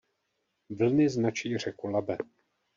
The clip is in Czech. Vlny značí řeku Labe.